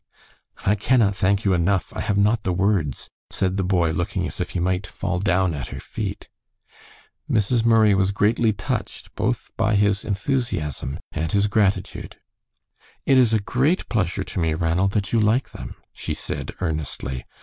"I cannot thank you enough. I have not the words," said the boy, looking as if he might fall down at her feet. Mrs. Murray was greatly touched both by his enthusiasm and his gratitude. "It is a great pleasure to me, Ranald, that you like them," she said, earnestly.